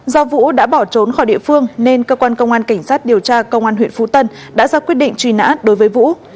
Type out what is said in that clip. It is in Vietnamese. do vũ đã bỏ trốn khỏi địa phương nên cơ quan công an cảnh sát điều tra công an huyện phú tân đã ra quyết định truy nã đối với vũ